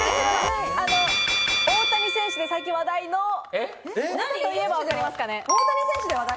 大谷選手で最近話題のと言えば、わかりますかね？